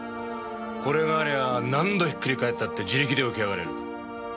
これがありゃ何度ひっくり返ったって自力で起き上がれる。